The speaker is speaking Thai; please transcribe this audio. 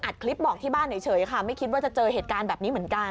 คลิปบอกที่บ้านเฉยค่ะไม่คิดว่าจะเจอเหตุการณ์แบบนี้เหมือนกัน